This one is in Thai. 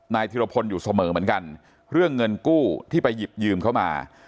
ธิรพลอยู่เสมอเหมือนกันเรื่องเงินกู้ที่ไปหยิบยืมเข้ามา